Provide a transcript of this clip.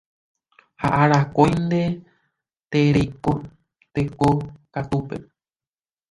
Ha akóinte tereiko tekokatúpe